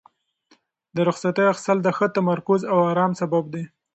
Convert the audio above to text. د رخصتیو اخیستل د ښه تمرکز او ارام سبب دی.